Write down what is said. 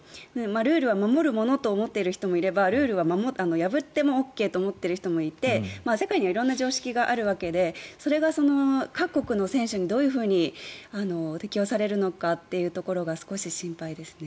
ルールは守るものと思っている人もいればルールは破ってもＯＫと思っている人もいて世界には色々な常識があるわけでそれが各国の選手にどのように適用されるのかというところが少し心配ですね。